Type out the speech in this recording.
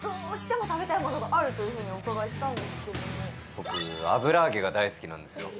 僕、油揚げが大好きなんですよ。